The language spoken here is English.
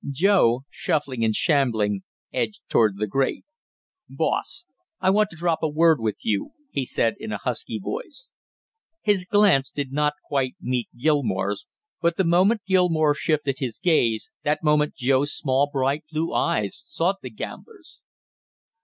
Joe, shuffling and shambling, edged toward the grate. "Boss, I want to drop a word with you!" he said in a husky voice. His glance did not quite meet Gilmore's, but the moment Gilmore shifted his gaze, that moment Joe's small, bright blue eyes sought the gambler's.